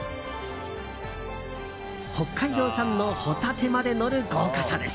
北海道産のホタテまでのる豪華さです。